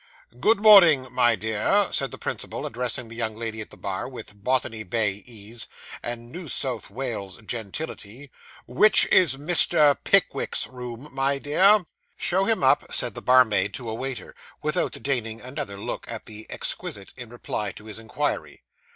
'Good morning, my dear,' said the principal, addressing the young lady at the bar, with Botany Bay ease, and New South Wales gentility; 'which is Mr. Pickwick's room, my dear?' 'Show him up,' said the barmaid to a waiter, without deigning another look at the exquisite, in reply to his inquiry.